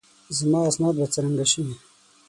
زما اسناد به څرنګه شي؟